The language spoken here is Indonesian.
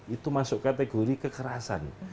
itu masuk kategori kekerasan